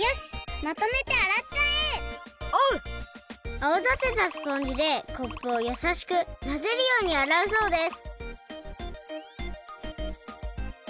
あわだてたスポンジでコップをやさしくなでるようにあらうそうです。